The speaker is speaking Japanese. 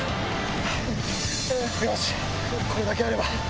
これだけあれば。